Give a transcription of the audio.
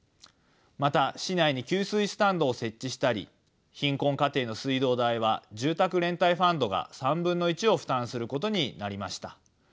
また市内に給水スタンドを設置したり貧困家庭の水道代は住宅連帯ファンドが３分の１を負担することになりました。